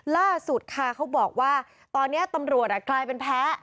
ล่าสุดค่ะเขาบอกว่าตอนนี้ตำรวจกลายเป็นแพ้